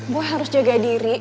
gue harus jaga diri